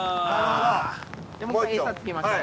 ◆もう一回餌をつけましょう。